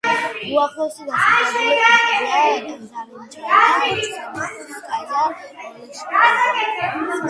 უახლოესი დასახლებული პუნქტებია: ზარეჩნაია, სემენოვსკაია, ოლეშკოვო.